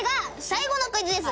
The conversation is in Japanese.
最後なの？